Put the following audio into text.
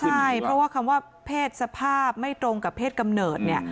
ใช่เพราะว่าคำว่าเพศสภาพไม่ตรงกับเพศกำเนิดเนี่ย